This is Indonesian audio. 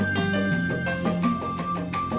anda tak dikkat siapa